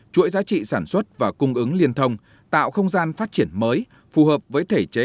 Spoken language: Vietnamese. chuỗi giá trị sản xuất và cung ứng liên thông tạo không gian phát triển mới phù hợp với thể chế